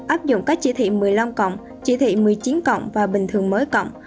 áp dụng các chỉ thị một mươi năm chỉ thị một mươi chín và bình thường mới cộng